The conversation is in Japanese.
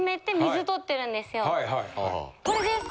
これです。